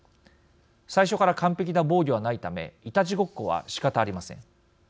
最初から完璧な防御はないためいたちごっこはしかたありません。